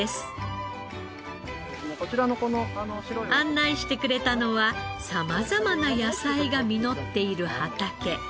案内してくれたのは様々な野菜が実っている畑。